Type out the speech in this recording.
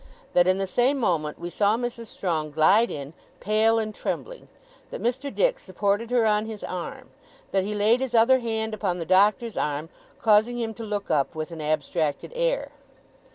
That, in the same moment, we saw Mrs. Strong glide in, pale and trembling. That Mr. Dick supported her on his arm. That he laid his other hand upon the Doctor's arm, causing him to look up with an abstracted air.